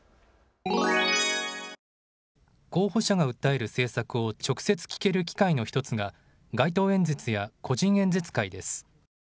候補者が訴える政策を直接聞ける機会の１つが街頭演説や個人演説会です。